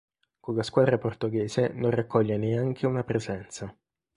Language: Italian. Con la squadra portoghese non raccoglie neanche una presenza.